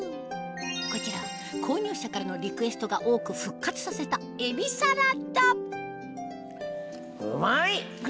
こちらは購入者からのリクエストが多く復活させたうまい！